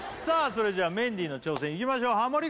それじゃメンディーの挑戦いきましょうハモリ